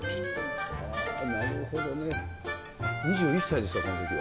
２１歳ですか、このときは。